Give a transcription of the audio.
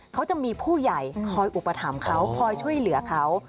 เขาจะมีผู้ใหญ่คอยอุปถัมภ์เขาคอยช่วยเหลือเขา